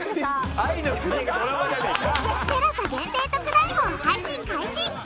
テラサ限定特大号配信開始！